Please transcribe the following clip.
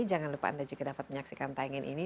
jangan lupa anda juga dapat menyaksikan tayangan ini